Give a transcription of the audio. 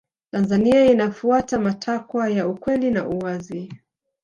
tanzania inafuata matakwa ya ukweli na uwazi